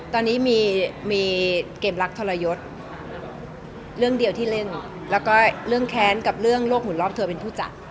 ตอนนี้มีเกมรักทรยศเรื่องเดียวที่เล่นแล้วก็เรื่องแค้นกับเรื่องโลกหมุนรอบเธอเป็นผู้จัด